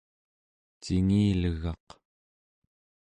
cingilegaq